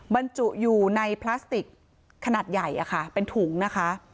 บรรจุอยู่ในพลาสติกขนาดใหญ่เป็นถุงนะคะ